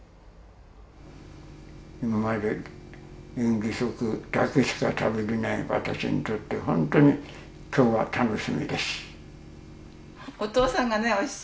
今まで嚥下食だけしか食べられない私にとって本当に今日は楽しみです。